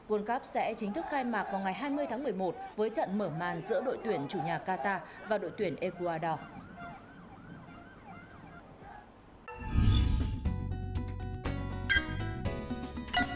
world cup sẽ chính thức khai mạc vào ngày hai mươi tháng một mươi một với trận mở màn giữa đội tuyển chủ nhà qatar và đội tuyển ecuador